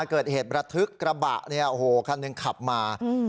เกิดเหตุระทึกกระบะเนี่ยโอ้โหคันหนึ่งขับมาอืม